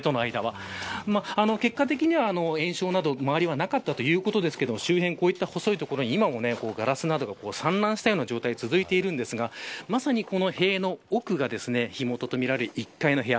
隣との間は結果的には、延焼など周りはなかったということですが周辺、こういった細い所に今もガラスなどが散乱しているような状態が続いているんですがまさにこの塀の多くが火元とみられる１階の部屋。